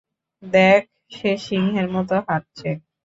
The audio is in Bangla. দেখ, সে সিংহের মতো হাঁটছে।